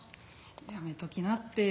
「やめときなって。